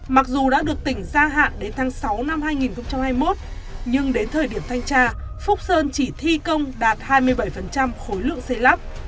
mặc dù đã được tỉnh gia hạn đến tháng sáu năm hai nghìn hai mươi một nhưng đến thời điểm thanh tra phúc sơn chỉ thi công đạt hai mươi bảy khối lượng xây lắp